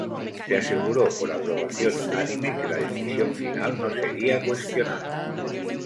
Se aseguró por aprobación unánime que la decisión final no sería cuestionada.